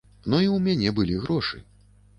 Ну і ў мяне былі грошы.